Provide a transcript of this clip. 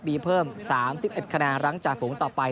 มีเพิ่ม๓๑คะแนนหลังจากฝูงต่อไป